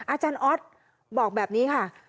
อาจารย์ออสบอกแบบนี้ค่ะ